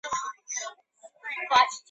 球队的主体育场为。